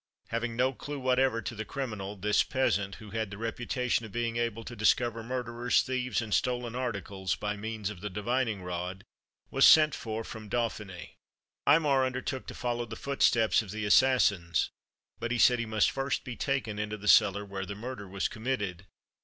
Having no clew whatever to the criminal, this peasant, who had the reputation of being able to discover murderers, thieves, and stolen articles, by means of the divining rod, was sent for from Dauphiny. Aymar undertook to follow the footsteps of the assassins, but he said he must first be taken into the cellar where the murder was committed.